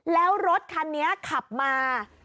แล้วรถคันนี้ขับมา